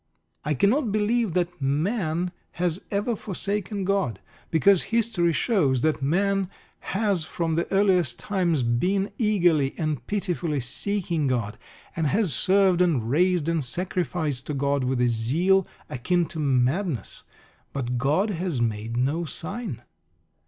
I cannot believe that man has ever forsaken God. Because history shows that man has from the earliest times been eagerly and pitifully seeking God, and has served and raised and sacrificed to God with a zeal akin to madness. But God has made no sign.